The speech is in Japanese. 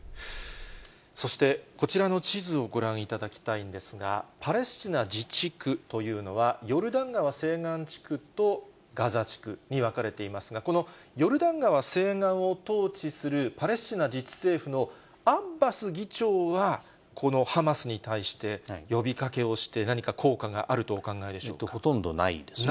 そしてこちらの地図をご覧いただきたいんですが、パレスチナ自治区というのは、ヨルダン川西岸地区とガザ地区に分かれていますが、このヨルダン川西岸を統治するパレスチナ自治政府のアッバス議長は、このハマスに対して、呼びかけをして、何か効果があるとお考ほとんどないですね。